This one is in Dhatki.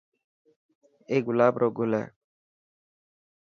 اي گلاب رو گل هي.